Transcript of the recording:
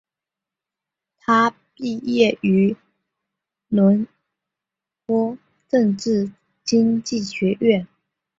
他毕业于伦敦政治经济学院。